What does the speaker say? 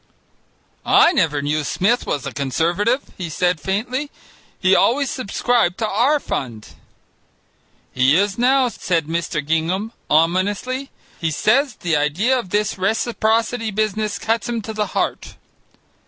"I never knew Smith was a Conservative," he said faintly; "he always subscribed to our fund." "He is now," said Mr. Gingham ominously; "he says the idea of this reciprocity business cuts him to the heart."